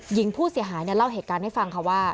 หญิงผู้เสียหายเนี่ยเล่าเหตุการณ์ให้ฟังค่ะว่า